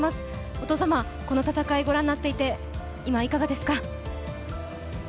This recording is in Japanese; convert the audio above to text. お父様、この戦いをご覧になって、今いかがですか？